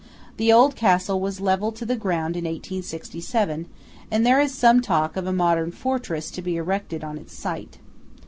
The old castle was levelled to the ground in 1867, and there is some talk of a modern fortress to be erected on its site.